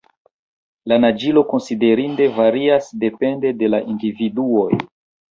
La naĝilo konsiderinde varias depende de la individuoj.